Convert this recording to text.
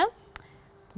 dengan sungguh berat hati